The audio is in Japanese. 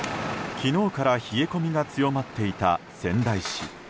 昨日から冷え込みが強まっていた仙台市。